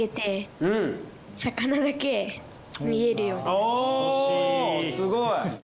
おっすごい！